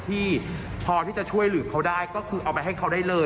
ที่พอที่จะช่วยเหลือเขาได้ก็คือเอาไปให้เขาได้เลย